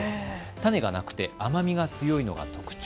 種がなくて甘みが強いのが特徴。